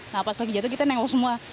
nah pas lagi jatuh kita nengok semua